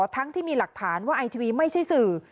ทั้งที่มีหลักฐานว่าไอทีวีไม่ใช่สื่อ